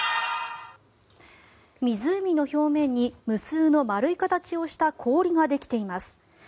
湖の表面に無数の丸い形をした氷ができています。